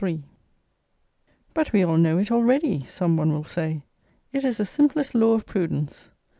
But we all know it already! some one will say; it is the simplest law of prudence.